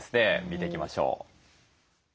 見ていきましょう。